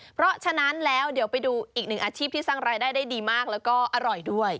เพราะฉะนั้นแล้วเดี๋ยวไปดูอีกหนึ่งอาชีพที่สร้างรายได้ได้ดีมากแล้วก็อร่อยด้วย